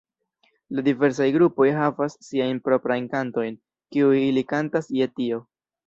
La diversaj grupoj havas siajn proprajn kantojn, kiuj ili kantas je tio.